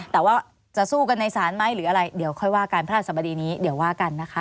แต่ว่าจะสู้กันในศาลไหมหรืออะไรเดี๋ยวค่อยว่ากันพระราชบดีนี้เดี๋ยวว่ากันนะคะ